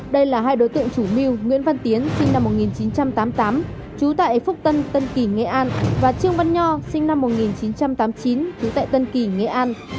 đây là hai đối tượng chủ mưu nguyễn văn tiến sinh năm một nghìn chín trăm tám mươi tám trú tại phúc tân tân kỳ nghệ an và trương văn nho sinh năm một nghìn chín trăm tám mươi chín trú tại tân kỳ nghệ an